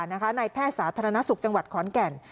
นายแพทย์สาธารณสุขจังหวัดขอนแก่น